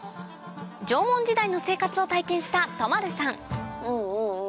縄文時代の生活を体験した都丸さんうんうんうん。